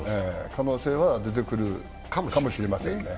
可能性は出てくるかもしれませんね。